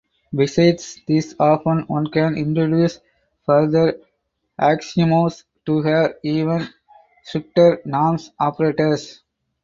Besides this often one can introduce further axioms to have even stricter norm operators.